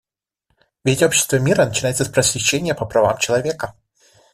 Ведь общество мира начинается с просвещения по правам человека.